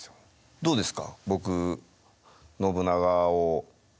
どうですか？